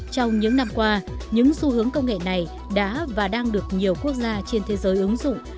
trong những năm qua những xu hướng công nghệ này đã và đang được nhiều quốc gia trên thế giới ứng dụng